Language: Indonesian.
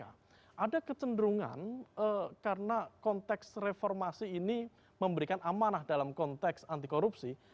ada kecenderungan karena konteks reformasi ini memberikan amanah dalam konteks anti korupsi